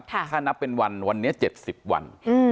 ถ้านับเป็นวันวันนี้๗๐วัน